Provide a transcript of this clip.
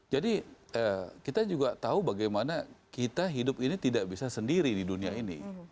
jadi kita juga tahu bagaimana kita hidup ini tidak bisa sendiri di dunia ini